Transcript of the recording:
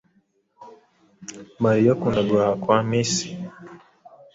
Mariya akunda guhaha kwa Macy.